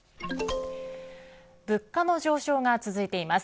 物価の上昇が続いています。